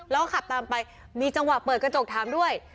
แล้วก็ขับตามไปมีจังหวะเปิดกระจกถามด้วย